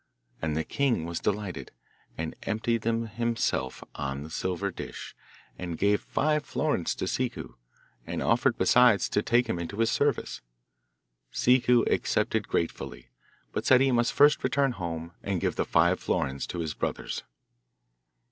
And the king was delighted, and emptied them himself on the silver dish, and gave five florins to Ciccu, and offered besides to take him into his service. Ciccu accepted gratefully, but said he must first return home and give the five florins to his brothers.